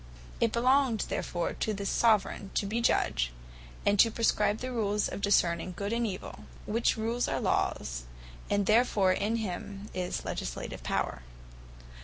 It belongeth therefore to the Soveraigne to bee Judge, and to praescribe the Rules of Discerning Good and Evill; which Rules are Lawes; and therefore in him is the Legislative Power.